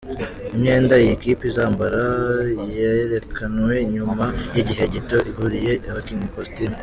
Imyenda iyi kipe izambara yerekanwe nyuma y’igihe gito iguriye abakinnyi costume.